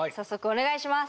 お願いします！